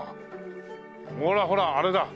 ほらほらあれだ。